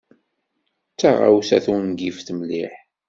D taɣawsa tungift mliḥ.